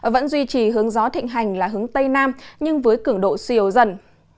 vẫn duy trì hướng gió thịnh hành là hướng tây nam nhưng với cứng độ suy yếu dần